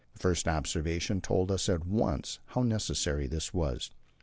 The first observation told us at once how necessary this was.